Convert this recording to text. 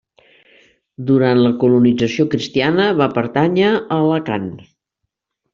Durant la colonització cristiana va pertànyer a Alacant.